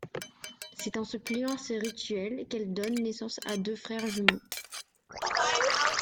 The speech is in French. C'est en se pliant à ce rituel qu’elle donne naissance à deux frères jumeux.